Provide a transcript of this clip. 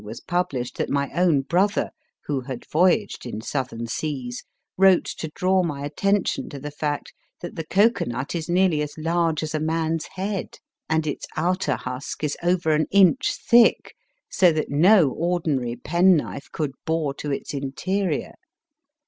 BALLANTYXE s TRAVELS published that my own brother who had voyaged in Southern seas wrote to draw my attention to the fact that the cocoa nut is nearly as large as a man s head, and its outer husk is over an inch thick, so that no ordinary penknife could bore to its interior